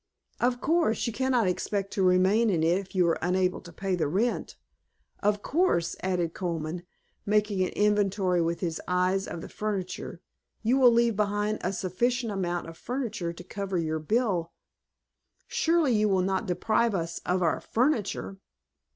"Of course, you cannot expect to remain in it if you are unable to pay the rent. Of course," added Colman, making an inventory with his eyes, of the furniture, "you will leave behind a sufficient amount of furniture to cover your bill " "Surely, you would not deprive us of our furniture!"